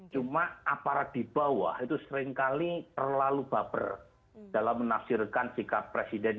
cuma aparat di bawah itu seringkali terlalu baper dalam menafsirkan sikap presiden